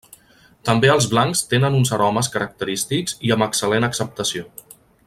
També els blancs tenen uns aromes característics i amb excel·lent acceptació.